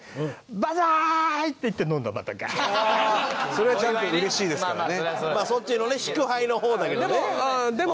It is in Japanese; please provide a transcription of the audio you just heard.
それはちゃんと嬉しいですからね。